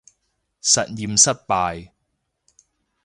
實驗失敗